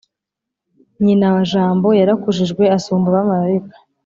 nyina wa jambo yarakujijwe asumba abamarayika